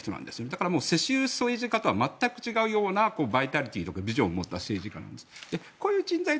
だから世襲とは違うようなバイタリティーとかビジョンを持った政治家なんです。